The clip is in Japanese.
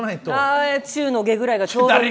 ああ中の下ぐらいがちょうどいい。